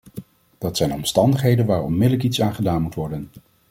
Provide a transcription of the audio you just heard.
Dat zijn omstandigheden waar onmiddellijk iets aan gedaan moet worden.